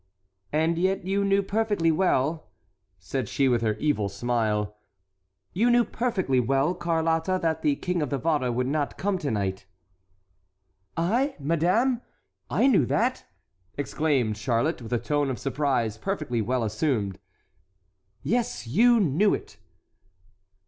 "And yet you knew perfectly well," said she with her evil smile, "you knew perfectly well, Carlotta, that the King of Navarre would not come to night." "I, madame? I knew that?" exclaimed Charlotte, with a tone of surprise perfectly well assumed. "Yes, you knew it!"